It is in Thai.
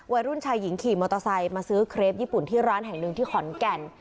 วัยรุ่นชายหญิงขี่มอเตอร์ไซค์มาซื้อเครปญี่ปุ่นที่ร้านแห่งหนึ่งที่ขอนแก่น